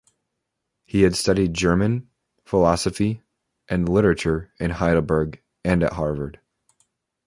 He had studied German, philosophy, and literature in Heidelberg and at Harvard.